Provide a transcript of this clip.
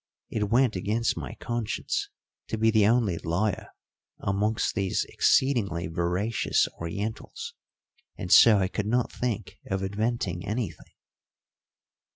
It went against my conscience to be the only liar amongst these exceedingly veracious Orientals, and so I could not think of inventing anything.